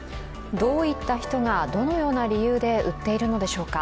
どういった人がどのような理由で売っているのでしょうか。